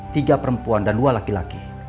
tiga perempuan dan dua laki laki